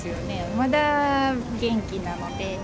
まだ元気なので。